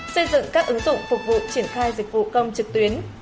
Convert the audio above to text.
xây dựng các ứng dụng phục vụ triển khai dịch vụ công trực tuyến